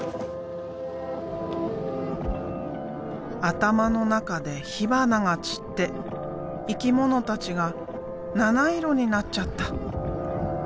頭の中で火花が散って生き物たちが７色になっちゃった。